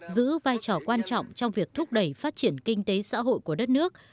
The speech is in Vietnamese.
giữ vai trò quan trọng trong việc thúc đẩy phát triển kinh tế xã hội của đất nước